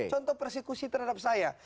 contoh persekusi terhadap saya